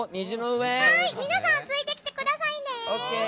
皆さん、ついてきてくださいね。